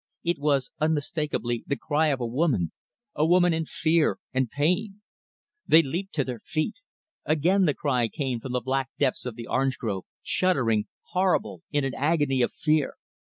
It was unmistakably the cry of a woman a woman in fear and pain. They leaped to their feet. Again the cry came from the black depths of the orange grove shuddering, horrible in an agony of fear.